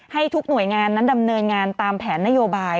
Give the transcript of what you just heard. ให้ทุกหน่วยงานนั้นดำเนินงานตามแผนนโยบาย